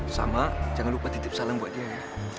sama jangan lupa titip salam buat dia ya